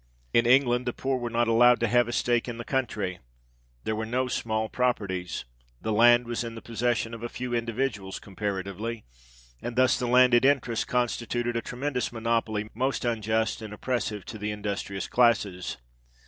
In England the poor were not allowed to have a stake in the country—there were no small properties—the land was in the possession of a few individuals comparatively; and thus the landed interest constituted a tremendous monopoly, most unjust and oppressive to the industrious classes.